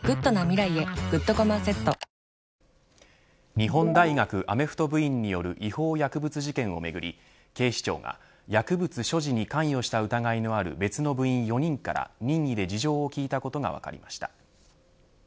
日本大学アメフト部員による違法薬物事件をめぐり警視庁が薬物所持に関与した疑いのある別の部員４人から任意で事情を聴いたことが分かりました。